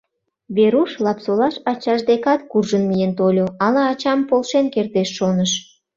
Веруш Лапсолаш ачаж декат куржын миен тольо, ала ачам полшен кертеш, шоныш.